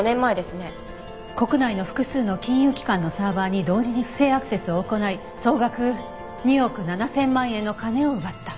「国内の複数の金融機関のサーバーに同時に不正アクセスを行い総額２億７千万円の金を奪った」